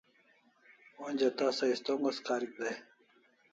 Onja tasa istongas karik day